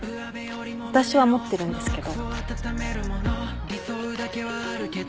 私は持ってるんですけど。